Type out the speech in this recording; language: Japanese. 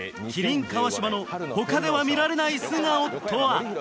麒麟川島の他では見られない素顔とは？